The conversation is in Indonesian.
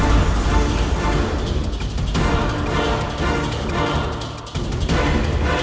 aku mau mati owna pula yangurusceh relatives